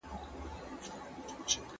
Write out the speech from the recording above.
څوک د وکیل په توګه کار کوي؟